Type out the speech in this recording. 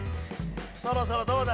そろそろどうだ？